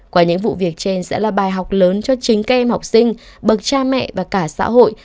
qua những vụ việc trên sẽ là bài học lớn cho chính các em học sinh bậc cha mẹ và cả xã hội